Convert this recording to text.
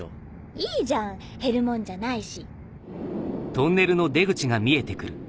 いいじゃん減るもんじゃないし。